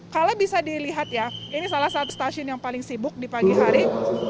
kalau bisa dilihat ya ini salah satu stasiun yang paling sibuk di pagi hari